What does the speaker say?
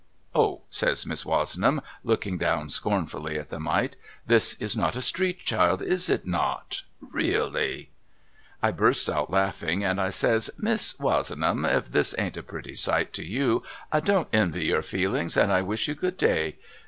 ' O !' says Miss Wozenham looking down scornfully at the Mite ' this is not a street child is it not ! Really !' I bursts out laughing and I says ' Miss Wozenham if this ain't a pretty sight to you I don't envy your feelings and 1 wish you good day.